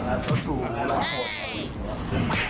มาช่วยชนิดเดียว